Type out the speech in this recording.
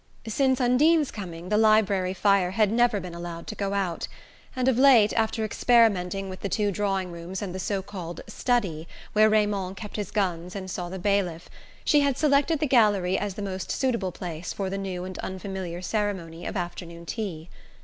Since Undine's coming the library fire had never been allowed to go out; and of late, after experimenting with the two drawing rooms and the so called "study" where Raymond kept his guns and saw the bailiff, she had selected the gallery as the most suitable place for the new and unfamiliar ceremony of afternoon tea.